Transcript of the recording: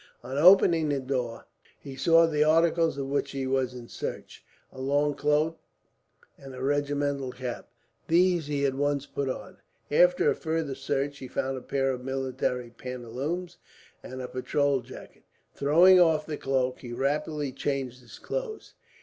On opening the door, he saw the articles of which he was in search a long cloak and a regimental cap. These he at once put on. After a further search, he found a pair of military pantaloons and a patrol jacket. Throwing off the cloak, he rapidly changed his clothes.